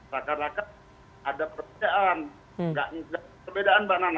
bagaimana mengatakan bahwa dihidupkan dari sekjen pdi perjuangan mbak nana